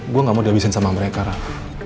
gue gak mau dihabisin sama mereka rak